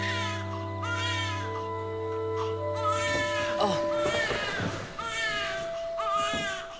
・あっ。